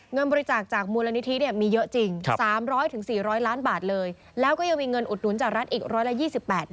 เพราะว่าอย่างที่บอกไปคือคนไม่ใช่เยอะ